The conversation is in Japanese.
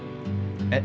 えっ？